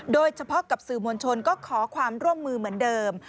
โดยเฉพาะกับสื่อมวลชนก็ขอความร่วมมือเหมือนเดิม